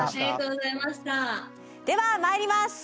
ではまいります。